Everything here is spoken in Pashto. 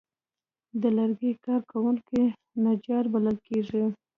د لرګي کار کوونکي نجار بلل کېږي.